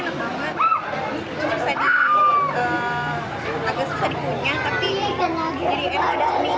agak susah dipunya tapi jadi enak